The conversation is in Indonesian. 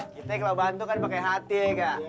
kita kalau bantu kan pakai hati ya mbak